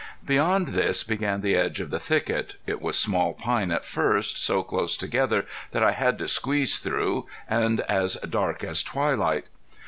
Beyond this began the edge of the thicket. It was small pine at first, so close together that I had to squeeze through, and as dark as twilight.